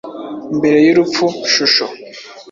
Mbere yurupfu-shusho